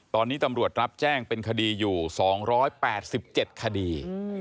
ตอนนี้ตำรวจรับแจ้งเป็นคดีอยู่๒๘๗คดี